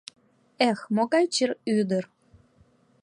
Эх, могай чыр ӱдыр!